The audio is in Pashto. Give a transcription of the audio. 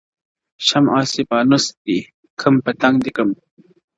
شمع سې پانوس دي کم پتنګ دي کم،